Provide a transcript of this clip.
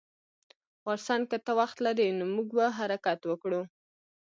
واټسن که ته وخت لرې نو موږ به حرکت وکړو